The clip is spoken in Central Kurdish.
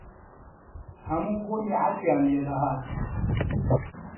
هەموو بۆنی عەتریان لێ دەهات.